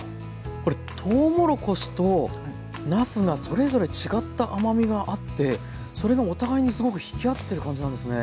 これとうもろこしとなすがそれぞれ違った甘みがあってそれがお互いにすごく引き合ってる感じなんですね。